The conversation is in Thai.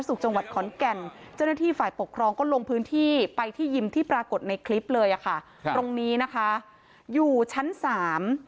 สุดยอดเลยครับมิตเตอร์ไฟร์ส์ขอบคุณครับ